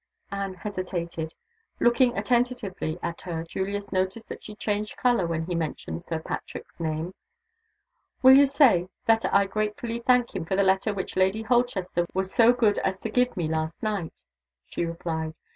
Anne hesitated. Looking attentively at her, Julius noticed that she changed color when he mentioned Sir Patrick's name. "Will you say that I gratefully thank him for the letter which Lady Holchester was so good us to give me last night," she replied.